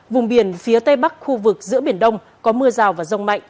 vùng biển phía tây bắc khu vực giữa biển đông có mưa rào và rông mạnh